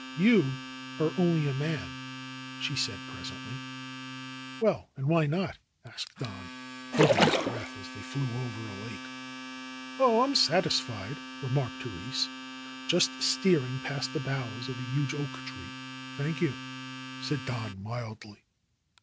"You are only a man," she said presently. "Well and why not ?" asked Don, holding his breath as they flew over a lake. "Oh, Fm satisfied," remarked Therese, just steering past the boughs of a huge oak tree. THE ROSE COLORED WORLD IS 'Thank you/^ said Don mildly.